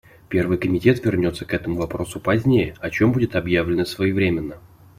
Первый комитет вернется к этому вопросу позднее, о чем будет объявлено своевременно.